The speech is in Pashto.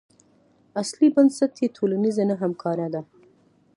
اصلي بنسټ یې ټولنیزه نه همکاري ده.